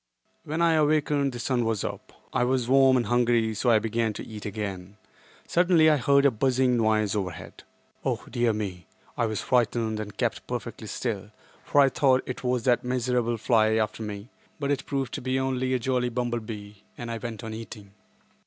When I awakened the sun was up. I was warm and hungry, so I began to eat again. Suddenly I heard a buzzing noise overhead. Oh, dear me! I was frightened and kept perfectly still, for I thought it was that miserable fly after me, but it proved to be only a jolly bumble bee, and I went on eating.